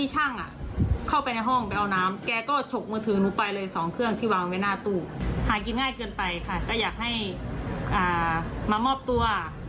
หากินง่ายเกินไปค่ะก็อยากให้มามอบตัว